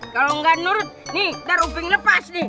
kalau gak nurut nih taruh peng lepas nih